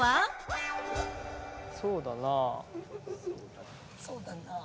「そうだなあ」。